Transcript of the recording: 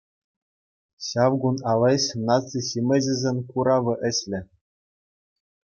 Ҫав кун алӗҫ, наци ҫимӗҫӗсен куравӗ ӗҫлӗ.